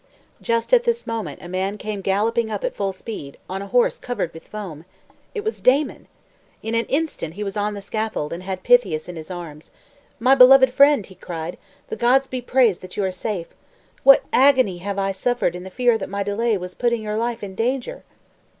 Just at this moment a man came galloping up at full speed, on a horse covered with foam! It was Damon. In an instant he was on the scaffold, and had Pythias in his arms. "My beloved friend," he cried, "the gods be praised that you are safe. What agony have I suffered in the fear that my delay was putting your life in danger!"